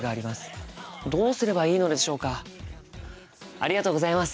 ありがとうございます。